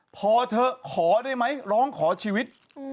พอเถอะขอได้ไหมร้องขอชีวิต